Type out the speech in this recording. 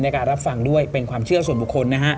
การรับฟังด้วยเป็นความเชื่อส่วนบุคคลนะฮะ